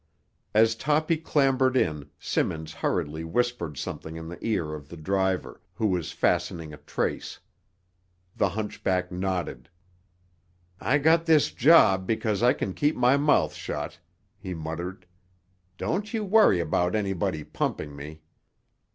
As Toppy clambered in Simmons hurriedly whispered something in the ear of the driver, who was fastening a trace. The hunchback nodded. "I got this job because I can keep my mouth shut," he muttered. "Don't you worry about anybody pumping me."